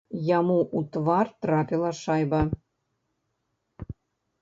Яму у твар трапіла шайба.